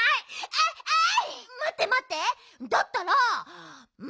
あいあい。